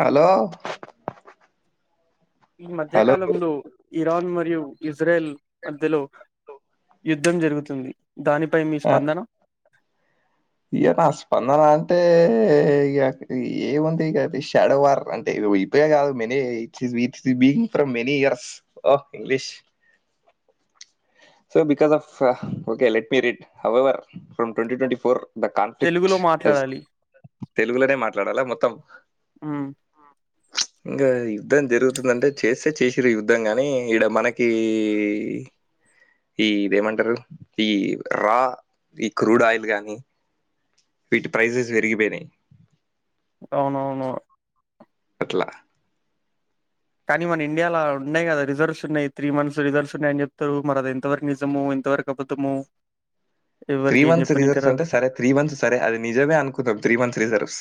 Hello ఈ మధ్య hello కాలంలో ఇరాన్ మరియు ఇజ్రాయల్ మధ్యలో యుద్ధం జరుగుతుంది దానిపై మీ స్పందన ఇక నా స్పందన అంటే ఇక ఏముంది ఇకది షాడో వార్ అంటే ఇప్పుడె కాదు many it's being from many years oh English so because of okay let me read however from twenty twenty four the conflict తెలుగులో హస్ మాట్లాడాలి తెలుగులోనే మాట్లాడాలా మొత్తం ఆ ఇంకా యుద్ధం జరుగుతుందంటె చేస్తే చేసిర్ యుద్ధం గాని ఈడ మనకి ఈ ఇదేమంటారు ఈ రా ఈ క్రూడ్ ఆయిల్ గాని వీటి ప్రైసెస్ విరిగిపోయినయి అవునవును అట్ల కానీ మన ఇండియాలో ఉన్నాయి కదా రిజర్వ్స్ ఉన్నాయి త్రీ మంత్స్ రిజర్వ్స్ ఉన్నాయని చెప్తారు మరి అది ఎంతవరకు నిజము ఎంతవరకు అబద్ధము త్రీ ఎవరికి ఏం మంత్స్ చెప్పనికి రిజర్వ్స్ రాదు అంటే సరే త్రీ మంత్స్ సరే అది నిజమే అనుకుందాం త్రీ మంత్స్ రిజర్వ్స్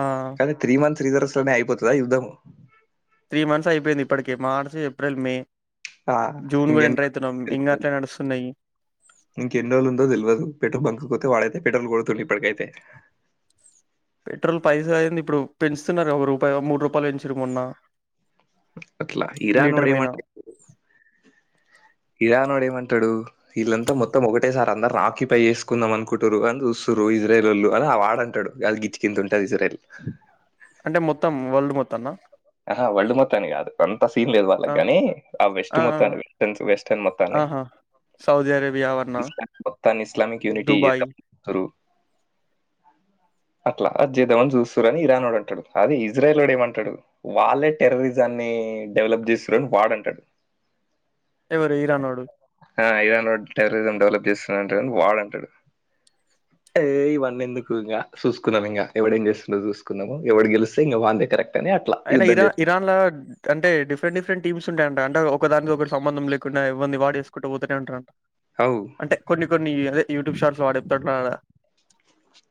ఆ కాని త్రీ మంత్స్ రిజర్వ్స్ తోనె అయిపోతుందా యుద్ధం త్రీ మంత్స్ అయిపోయింది ఇప్పటికె మార్చ్ ఏప్రిల్ మే ఆ, జూన్ కూడ ఇంకెన్ని ఎంటర్ అయత్తన్నం రోజులు ఇంకా తెలియదు. అట్లె నడుస్తున్నాయి ఇంకెన్ని రోజులు ఉందో తెల్వదు పెట్రోల్ బంకకు పోతె వాడైతె పెట్రోల్ కొడుతాడు ఇప్పటికైతె పెట్రోల్ పైస అయింది ఇప్పుడు పెంచుతున్నారు ఒక రూపాయ మూడు రూపాయలు పెంచిర్రు మొన్న అట్ల లీటర్ ఇరానోడు మీన ఏమంట ఇరానోడు ఏమంట టడు వీళ్ళంతా మొత్తం ఒకటేసారి అందరు ఆక్యుపై చేసుకుందాం అనుకుంటురు అని చూస్తురు ఇజ్రైలోళ్ళు అని ఆ వాడంటడు అది గిచ్చికింత ఉంటది ఇజ్రైల్ అంటే మొత్తం ఓల్డ్ మొత్తన్న ఆహా వల్డ్ మొత్తాన్ని గాదు వన్ అంత సీన్ లేదు వాళ్ళకి ఆ గాని ఆ వెస్ట్ మొత్తాన్ని వెస్టన్ వెస్టర్న్ మొత్తాన్ని ఆహా! సౌదీ అరేబియా అవర్నా, మొత్తాన్ని ఇస్లామిక్ యూనిటి దుబాయ్ యుద్ధం అవుతురు అట్ల అ చేద్దామని చూస్తుర్రని ఇరానోడు అంటాడు అదే ఇజ్రాయిలోడు ఏమంటాడు వాళ్ళే టెర్రరిజాన్ని డెవలప్ చేస్తుర్రు అని వాడంటడు ఎవరు ఇరానోడు ఆ ఇరానోడు టెర్రరిజం డెవలప్ చేస్తుంటని వాడంటాడు ఏ ఇవన్నీ ఎందుకు ఇంకా చూసుకున్నాం ఇంకా ఎవడ ఏం చేస్తున్నా చూసుకున్నాము ఎవడు గెలిస్తే ఇంకా వాడె కరెక్ట్ అని అట్లా అయినా యుద్ధం ఇరాన్ చేస్తారు. ఇరాన్ లో అంటే డిఫరెంట్ డిప్రెంట్ టీమ్స్ంటాయంట అంటే ఒక దానికి సంబంధం లేకుండా ఎవర్నీ వాడుేసుకుంటూ పోతనే ఉంటార అవు. అంటే కొన్ని కొన్ని ఈ అదే యూట్యూబ్ షాట్స్ వాడ చెప్పతాడు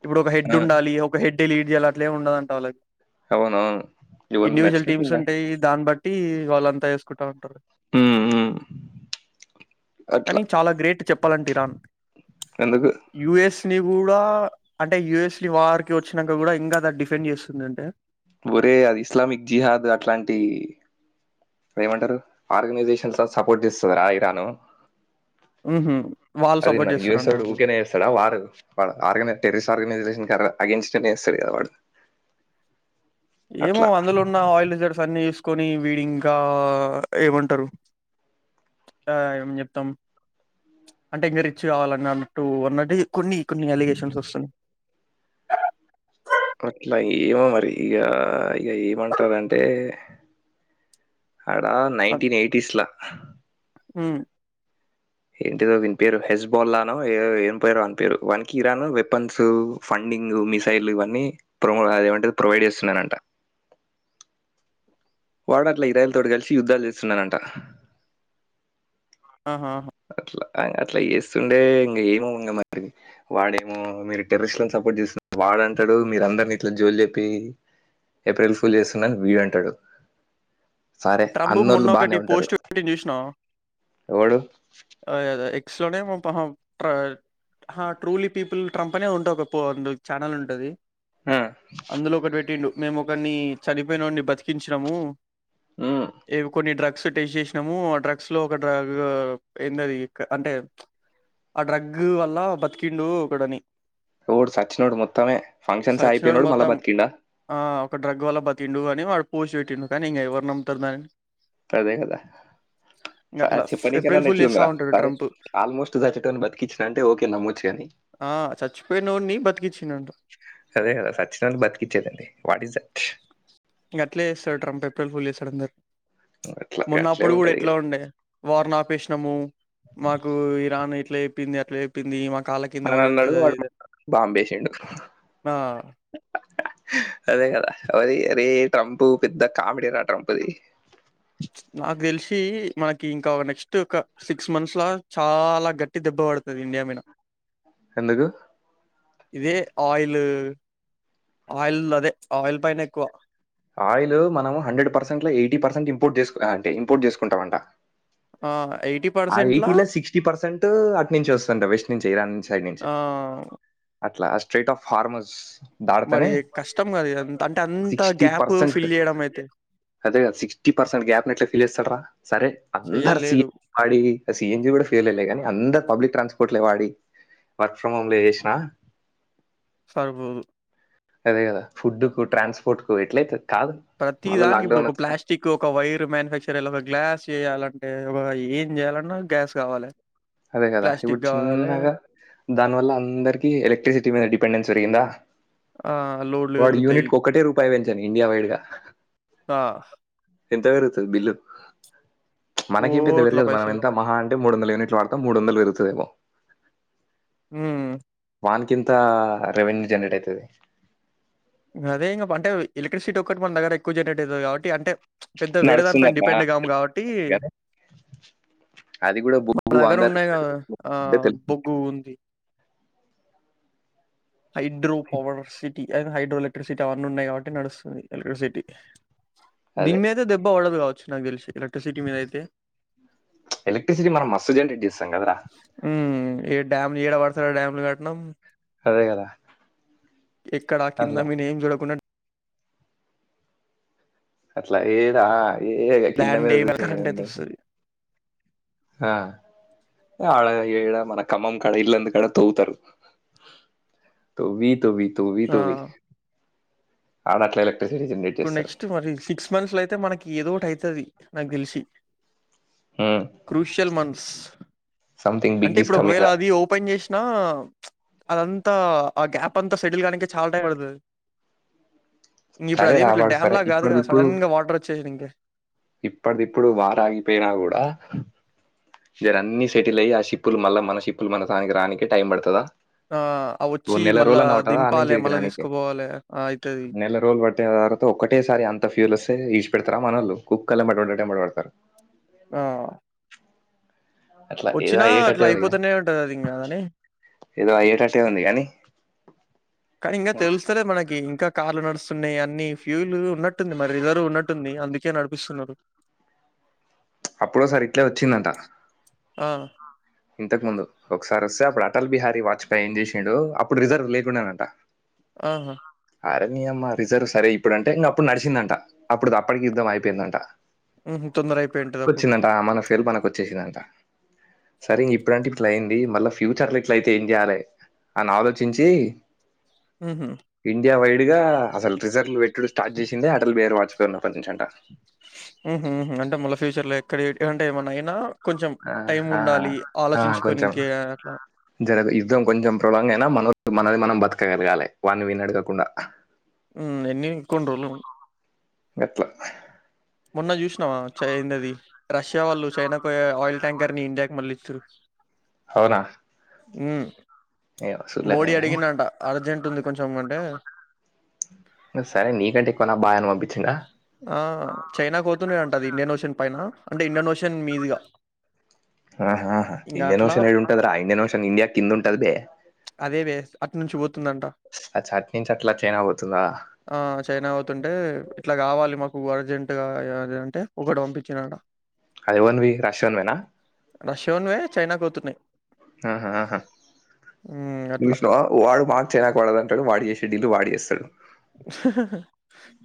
ఇప్పుడు ఒక హెడ్ ఆ! ఉండాలి ఒక హెడ్ డలీట్ చేయాల అట్లే ఉండదంట వాళ్ళకి అవునువును ఇండివిజువల్ టీమ్స్ ఉంటాయి దాన్ని బట్టి వాళ్ళంతా చేేసుకుంటాం హ్మ్. హ్మ్. అట్లా. కానీ చాలా గ్రేట్ చెప్పాలంటిరాన్ ఎందుకు యూఎస్ ని కూడా అంటే యుఎస్ వార్ వచ్చినాక కూడా ఇంకా ద డిఫెండ్ చేస్తుంది అంటే ఒరే అది ఇస్లామిక్ జిహాద్ అట్లాంటి ఏమంటారు ఆర్గనైజేషన్స్ సపోర్ట్ చేస్తుంది రా ఇరాను హుహు. వాళ్ళు అది సపోర్ట్ మరి యుఎస్ చేస్తారంట వాడు ఇప్పుడు. వూరికి నీ చేస్తాడా వారు వా ఆగ టెరిస్ ఆర్గనైజేషన్ అగేన్స్ట్ అ సరి వాడు ఏమో అట్లా అందులు ఉన్నా ఆయిల్ జ అన్న వసుకొని విడి ఇంకా ఏమంటారు ఏ చెప్తాం అంటే ఇంకా రిచ్ కావాలని అన్నట్టు అన్న కొన్ని కొన్ని ఎలిగేషన్స్ వస్తున్నాయి అట్లా ఏమో మరి ఇక ఇక ఏమంటారంటే అడా నైన్టీన్ ఎయిటీస్లా ఉమ్ ఏంటిదో విడి పేరు హెస్ బాలానో ఏ పేరో అని పేరు వాకి ఇరాన్ వెపన్స్ ఫండింగ్ మిసైల్ ఇవన్నీ ప్ర ఏమంట ప్రొవైడ్ చేస్తున్నానంట వాడట్ల ఇరాైల తోటి కలిసి యుద్ధాలు చేస్తున్నానంట ఆహా ఆహా. అట్లా అట్లా చేస్తుండే ఇం ఏమో ఉ మరి అట్లా అట్లా అట్లా చేస్తుండే వాడేమో మీరు టెర్రస్ట్లను సపోర్ట్ చేస్తు వాడంటాడు మీరు అందరిని ఇట్లా జోలి చెప్పి ఏప్రిల్ ఫుల్ చేస్తున్నాని వీడు అంటాడు సరే ట్రంప్ మొన్న అన్నోళ్ళు బానే ఒకటి ఉంటారు పోస్ట్ ఎవడు అ ఎక్స్ లోనే ట్ర హ ట్రూలీ పీపుల్ ట్రంప్ అనేది ఉంటే ఒక ఛానల్ ఉంటుంది "ఉమ్, అందులో ఒకటి పెట్టిండు మేము ఒకరిని చనిపోయినడిని బతికించాము ఉమ్, ఏవి కొన్ని డ్రగ్ డ్రగ్స్ టేస్ట్ చేసినాము ఆ డ్రగ్స్ లో ఒక డ్రగ్ ఏందది అంటే ఆ డ్రగ్ వల్ల బతికిండు ఒకడని వుడు సచ్చినోడు మొత్తమే ఫంక్షన్స్ సచ్చినోడు అయిపోయినాడు మలబత్ కిండా పట్ండు కానీ వాళు పోసి పెట్టిండు కానీ ఇం ఎవరన్నాం [inaudible] అదే కదా ఇంక అట్లా చెప్పనీకన్నా ఏప్రిల్ న ఫుల్ చేస్తా ఎట్లుంగరా ఉంటాడు సరే ట్రంప్ ఆల్మోస్ట్ సచ్చటని బతికిచ్చిన అంటే ఓకే నమ్మచ్చుగాని ఆ చచ్చిపోయినోడిని బతికిచ్చిండంట అదే కదా సచిన్నోని బతికిచ్చేదండి వాట్ ఈజ్ దట్ ఇంగ అట్లే జేస్తాడు ట్రంప్ ఎప్రిల్ ఫుల్ చేస్తాడు అందరు అట్లా మొన్నప్పుడు గూడా ఉంటది ఇక అట్లే ఉండే వారు నాకు పేష్ణము మాకు ఇరాన్ ఇట్ అట్లేేయిపింది అట్లా జెప్పింది మ అన్అన్నాడు వాడు బాంబేసిండు ఆ, అదే కదా అరి అరే ట్రంప్ పెద్ద కామెడీరా ట్రంప్ది నాకు తెలిసి మనకి ఇంకా ఒక నెక్స్ట్ ఒక సిక్స్ మంత్స్ లా చాలా గట్టి దెబ్బ పడుతది ఇండియా మీన ఎందుకు ఇదే ఆయిల్ ఆయిల్ అదే ఆయిల్ పైన ఎక్కువ ఆయిల్ మనం హండ్రెడ్ పర్సెంట్ లో ఎయిటీ పర్సెంట్ ఇంపోర్ట్ చేసు అంటే ఇంపోర్ట్ చేసుకుంటాంట ఎయిటీ ఆ పర్సెంట్ లా ఎయిటీలో సిక్స్టీ పర్సెంట్ అటు నుంచి వస్తుంట వెస్ట్ నుంచి ఇరాన్ సైడ్ నుంచే ఆ! అట్లా స్ట్రెయిట్ ఆఫ్ ఫార్మస్ మరి కష్టం కద అంత అంటే అంత సి గ్యాప్ పర్సెంట్ ఫిల్ జేయడం అయితే. అదే గదా సిక్స్టీ పర్సెంట్ గ్యాప్ ఎట్ ఫిల్ చేస్తార సరే అందరు చెయ్యలేరు. సిఎన్జి కూడా ఫెయిల్ లే గానీ అరు పబ్లిక్ ట్రాన్స్పోర్ట్లే వాడి వర్క్ ఫ్రమ్ హోమ్ లే చేసినా సరిపోదు అదే కదా ఫుడ్ కు ట్రాన్స్పోర్ట్ కు ఎట్లయితది ప్రతిదానికి ఇప్పుడు ఒక ప్లాస్టిక్ ఒక ఒక వైర్ మ్యానుఫ్యాక్చర్ అయ్యలా ఒక గ్లాస్ చేయాలంటే ఒక ఏం చేయాలన్న గ్యాస్ స్ వాలి అదే కదా ఇప్పుడు చిన్నగా దానివల్ల అందరికిీ ఎలక్ట్రిసిటీ మీద డిపెండెన్స్ పెరిగిందా ఆహ్, లోడ్లు వాడు పెరుగుతాయి. యూనిట్ కు ఒక్కటే రూపాయి పెంచం ఇండియా వైడ్గా అ ఎంత పెరుగుతది బిల్లు మనకేం పెద్ద కోట్ల పెరగదు మనం పైసలు. ఎంత మహాంటే మూడు వందల యూనిట్లు వాడతాం మూడు వందలు పెరుగుతదేమో ఉమ్ వాన్ కింత రెవెన్యూ జనరేట్ అయితది గ అదే ఇంగ అంటే ఎలక్ట్రిసిటీ ఒకక్కటి మ దగ్ర ఎక్కువ జనరేట్ అవుతు కాట్టి అంటే పెద్ద వేరే దాని నడుస్తుంది పైన అట్లా డిపెండ్గాము కాబట్టి గానీ అది కూడా మన బుగ్గు దగ్గర అందరు ఉన్నాయి కదా ఆ అంటే తెలు బొగ్గు ఉంది హైడ్రో పవర్ సిట్ హైడ్రో ఎలక్ట్రిసిటీ అవన్నీ ఉన్నాయి కాబట్టి నడుస్తుంది ఎలక్ట్రిసిటీ అదే దీమేతే దెబ్బ వాలవదు నా తెలిసి ఎలక్ట్రిసిటీ మీద అయితే ఎలక్ట్రిసిటీ మనం మస్తు జనరేట్ చేస్తాం కదరా ఉమ్, ఏ డ్యామ్లు ఏడ పడతారు డ్యామ్లు కట్నం అదే కదా ఎక్కడా కింద అట్లా మీ నేమ్ చూడకున్ అట్లా ఏదా ఏ కింద ల్యాండ్ మీద ఏం కరెంట్ అయితే చూసేయండి వస్తుంది ఆ ఆడఏడ మన కమం కడ ఇల్ంద కడ తోవ్వుతారు తోవి తూవి తూవి తూవి అడాట్లేలే ఇప్పుడు నెక్స్ట్ మరి సిక్స్ మంత్స్ లో అయితే మనకి ఏదో ఒకటి అయితది నాకి తెలిసి హ్మ్ క్రూషల్ మన్స్ సంథింగ్ అంటే బిగ్ ఈస్ ఇప్పుడు ఒకవేళ కమింగ్ అది ఓపెన్ చేసినా అదంతా ఆ గ్యాప్ అంతా సెటిల్ కాడానికి చాలా టైం పడతది ఇ ఇప్పుడు సరే అదేమి ఇట్లా రావాడు డ్యామ్ సరే లా కాదు కదా సడన్ గా వాటర్ వచ్చేసి ఇంకె ఇప్పటిదిప్పుడు వారాగిపోయినా కూడా మీర అన్ని సెటిల్ అయ్యి ఆ షిప్పులు మళ్ళ మన షిప్పులు మన తానికి రాడానినికి టైం పడుతుందా ఆ! ఆ! ఓ వచ్చి నెల మళ్ళా రోజులు అన పట్టదా దింపాలే, అనించిడికి మళ్ళా రానికి తీసుకుపోవాలే ఆ! అయితది. నెల రోజులు పట్టిన తర్వాత ఒకటేసారి అంత ఫ్యూల్ వస్తే పెడతారా మనల్ కుక్ కల్ మట్డట మట్లాడ ఆ అట్లా ఏదో వచ్చినా అయేటట్టే అట్లా ఉందినీ అయిపోతూనే ఉంటదది ఇంగదని. ఏదో అయ్యేటట్టే ఉంది కానీ కానీ ఇంకా తెలుస్తలే మనకి ఇంకా కార్లు నడుస్త స్తున్నాయి అన్ని ఫ్యూల్ ఉన్నట్టుంది మరి రిజర్వ ఉన్నట్టుంది అందుకే నడిపిస్తున్నారు అప్పుడసారి ఇట్లే వచ్చిందట ఆ ఇంతకు ముందు ఒకసారి వస్తే అప్పుడు అటల్ బిహారీ వాజ్పేయి ఏం చేసి ఉండు అప్పుడు రిజర్వ్ లేకుండానంట ఆహా నీమ రిజర్వ్ సరే ఇప్పుడు అంటే ఇంక అప్పుడు నడిచందంట అప్పుడు అప్పటికి యుద్దం అయిపోయిందంట హుహు. తొందర అయిపోయింటది అప్పుడు. వచ్చిందంట మన ఫేల్ మన వచ్చి చేసినంత సరే ఇప్పుడుంటే ఇట్లా అయ్యింది మళ్ళా ఫ్యూచర్ లో ఇట్ల అయితే ఏం చేయ్యాలే అని ఆలోచించి హుహు. ఇండియా వైడ్ ఇగా అసలు రిజల్ట్ పెట్టుడు స్టార్ట్ చేసిందే అటల్ బిహారీ వాజ్పేయి ఉన్నప్పటి నుంచంట ఉమ్ హు హుం అంటే మళ్ళ ఫ్యూచర్ లో ఎక్కడ అంటే ఏమన్నయినా ఆ ఆ ఆ కొంచెం ఇంకే అట్లా. జర యుద్దం కొంచెం ప్రొ లాంగ్ అయినా మనో మనది మనం బతకగలగాలి వాడ్ని వీడ్ని అడగకుండా ఉమ్ ఎన్ని కొన్నిరోలు గట్ల మొన్న చూసినావా చై ఎందది రష్యా వాళ్ళు చైనాకు ఆయిల్ ట్యాంకర్ ని ఇండియాకి మళ్ళీచ్చురు. హవునా ఉ మోడీ గాని. అడిగిండంట అర్జెంటుంది కొంచం ఉంటే సరే నీకంటే ఎక్కువనా భాయ్ అని పంపించిండా చైనాకు పోతునే అంట ఇండియన్ ఓషన్ పైన అంటే ఇండియన్ ఓషిన్ మీదుగా ఆహాహా ఇంకా ఇండియన్ అట్లా ఓషన్ ఏడుంటది రా ఇండియన్ ఓషన్ ఇండియా కింద ఉంటది బే, అదే వే అటు నుంచి పోతుందంట అచ్చా అటునుంచె అట్లా చైనా పోతుందా. ఆ వర్జంట్ [unintelligible] అంటే ఒకటి పంపించిండంట అది ఎవనివి రష్యన్ వేన రష్యన్ వోనివే చైనాకోతున్నై అట్లా చూసినవా వాడు మాకు చైనాకు వడదంటాడు వాడి చేసి చెడీలు వాడిస్తాడు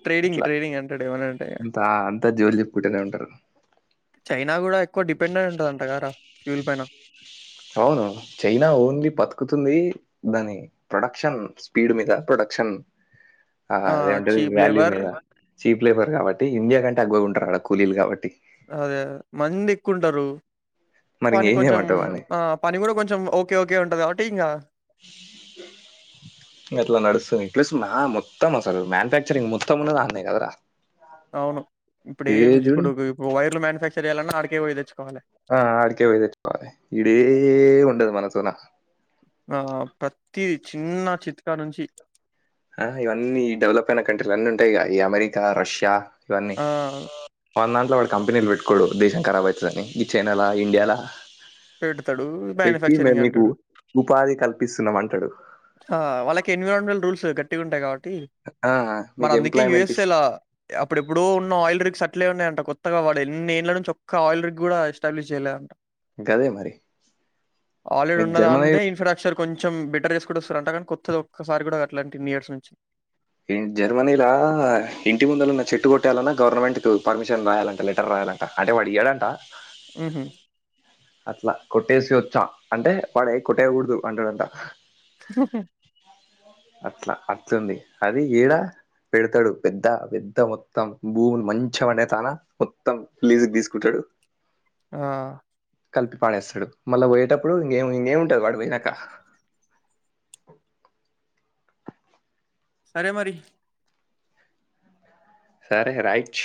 ట్రేడింగ్ అట్లా ట్రేడింగ్ అంటాడు ఏమన్నా అంటే అంత అంత జోలు చెప్పుకుంటూనే ఉంటారు చైనా కూడా ఎక్కువ డిపెండెంట్ ఉంటందింట కారా ఫ్యూల్ పైన అవును చైనా ఓన్లీ బతుకుతుంది దాని ప్రొడక్షన్ స్పీడ్ మీద ప్రొడక్షన్ ఆ ఏమంటది చీప్ వాల్యూ లేబర్ మీద చీప్ లేబర్ కాట్టి ఇండియా కంటే అక్వాగ ఉంటారు అడ కూలీలు కాబట్టి అదే మందెకుంటారు మరి పని ఇంకేం కొంచెం చేయమంటావు అని ఆ పని కూడా కొంచం ఓకే ఓకే ఉంటదా కాబట్టి ఇంకా ప్లస్మా మొత్తం అసలు మ్యానుఫ్యాక్చరింగ్ మొత్తం ఉనే అన్నాయి అడ్నే కదా అవును ఇప్పుడ ఏం చూడు ఇప్పుడు వైర్లు మ్యానుఫ్యాక్చర్ ఎలా అకేయిదచ్చు [unintelligible] ఆ అడ్కే పోయి తెచ్చుకోవాలి ఇడా ఏం ఉండవ్ ఉండేది మనతోన ఆ పతి చిన్న చిట్కా నుంచి ఆ ఇవన్నీ డెవలప్ అయిన కంట్రీలు అన్నీ ఉంటాయి ఈక అమెరికా రష్యా ఇవన్నీ ఆ! వందంట్లో వాడు కంపెనీలు పెట్టుకోడు దేశం కారబ్ అవుతుందని ఈ చైనా లా ఇండియాల పెడతాడు మఫక్చరింగ్ అంటాడు ఉపాధి కల్పిస్తున్నాం అంటాడు హా వాళ ఎన్రామెట్ రూల్స్ కట్టి ఉంటాయి కాట్ ఆ, మరి మీకు అందుకే యు ఎంప్లాయ్మెంట్ ఎస్ ఏ ల అప్పుడెప్పుడో ఉన్న ఆయిల్ రీగ్స్ అట్లే ఉన్నాయంట కొత్తగా వాడెన్ని ఏళ్ళ నుంచి ఒక్క ఆయిల్ రిగ్ కూడా ఎస్టాబ్లిష్ చేయలే అంట గదే మరి ఆల్రెడీ మీకు జర్మనీ ఉన్నదాందే ఇన్ఫ్రాస్ట్రక్చర్ కొంచెం బెటర్ చేస్ కుడుస్తరు అంట కానీ కొత్తది ఒక్కసారి కూడా కట్లే అంట ఇన్ని ఇయర్స్ నుంచి ఈన్ జర్మనీల ఇంటి ముందలున్న చెట్టు కొట్టాలన్నా గవర్నమెంట్ కు పర్మిషన్ రాయాలంట లెటర్ రాయాలంట అంటే వాడు ఇయ్యడంట హుహు. అట్లా కొట్ ట్టేసి వచ్చా అంటే వాడు ఏయ్ కొట్టేయకూడదు అంటాడంట అట్లా అట్లుంది అది ఈడ పెడతడు పెద్ద పెద్ద మొత్తం భూములు మంచం అనే తాన మొత్తం లీజుకు తీసుకుంటాడు ఆ కలిపి పాడేస్తాడు మళ్ళా పోయేటప్పుడు ఇంకేం ఇంకేం ఉంటది వాడు పోయినాక సరే మరి సరే రైట్